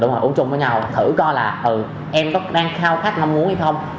đúng rồi uống chung với nhau thử coi là ừ em có đang khao khát mong muốn hay không